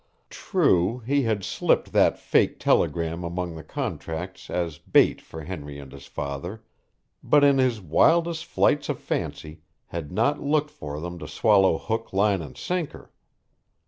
True, he had slipped that fake telegram among the contracts as bait for Henry and his father, but in his wildest flights of fancy had not looked for them to swallow hook, line, and sinker.